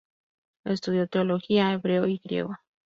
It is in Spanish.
Estudió teología, hebreo y griego.